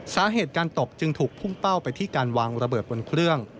สาเหตุการตกจึงถูกพุ่งเป้าไปที่การวางระเบิดบนเครื่อง